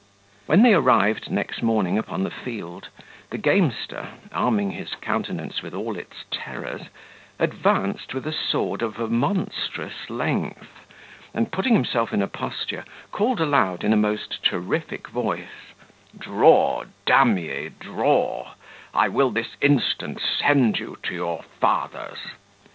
When they arrived next morning upon the field, the gamester, arming his countenance with all its terrors, advanced with a sword of a monstrous length, and, putting himself in a posture, called out aloud in a most terrific voice, "Draw, d n ye, draw; I will this instant send you to your fathers."